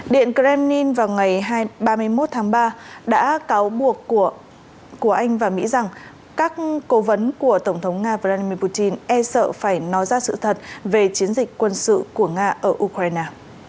điện kremlin vào ngày ba mươi một tháng ba đã cáo buộc của anh và mỹ rằng các cố vấn của tổng thống nga vladimir putin e sợ phải nói ra sự thật về chiến dịch quân sự của nga ở ukraine